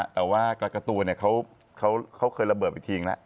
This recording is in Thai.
แต่ว่ากระกะตัวเขาเคยระเบิดไปทีอีกแล้ว